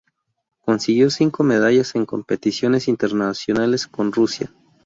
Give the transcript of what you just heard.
Consiguió cinco medallas en competiciones internacionales con Rusia.